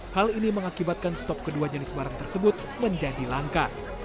hal ini mengakibatkan stok kedua jenis barang tersebut menjadi langka